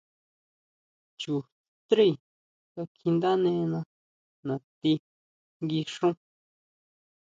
Chu strí kakjiʼndánena natí nguixún.